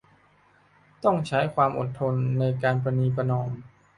ต้องใช้ความอดทนในการประนีประนอม